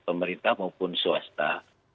pemerintah maupun swasta